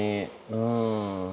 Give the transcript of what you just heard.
うん。